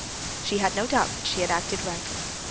She had no doubt that she had acted rightly.